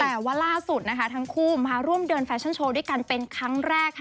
แต่ว่าล่าสุดนะคะทั้งคู่มาร่วมเดินแฟชั่นโชว์ด้วยกันเป็นครั้งแรกค่ะ